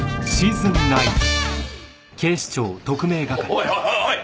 おいおいおいおい！